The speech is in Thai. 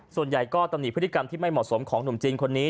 ส่วนใหญ่ก็ตำหนิพฤติกรรมที่ไม่เหมาะสมของหนุ่มจีนคนนี้